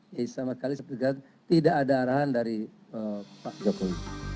ya sama sekali tidak ada arahan dari pak jokowi